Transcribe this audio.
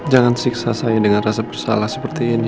jangan siksa saya dengan rasa bersalah seperti ini